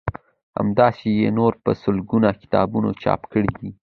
همداسی يې نور په لسګونه کتابونه چاپ کړي دي